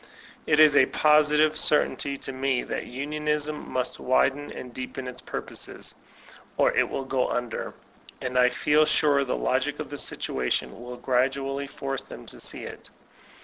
It is a positive certainty to me that unionism must widen and deepen its purposes, or it will go under; and I feel sure that the logic of the situation will force them to see it gradually.